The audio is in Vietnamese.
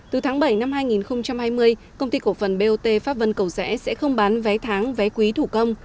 từ tháng bảy năm hai nghìn hai mươi công ty cổ phần bot pháp vân cầu rẽ sẽ không bán vé tháng vé quý thủ công